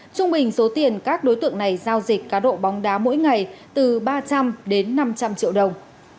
trung bình số tiền các đối tượng này giao dịch cá độ bóng đá mỗi ngày từ ba trăm linh đến năm trăm linh triệu đồng